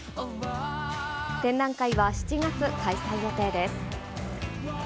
展覧会は７月開催予定です。